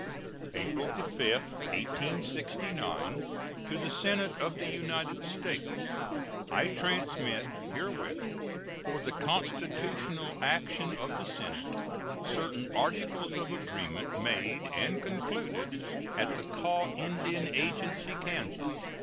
April 5, 1869. To the Senate of the United States: I transmit herewith, for the constitutional action of the Senate, certain articles of agreement made and concluded at the Kaw Indian Agency, Kans.